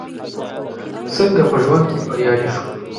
څنګه په ژوند کې بريالي شو ؟